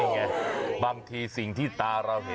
เฮ้อแล้วเรา